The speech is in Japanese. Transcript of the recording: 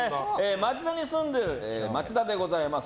町田に住んでる町田でございます。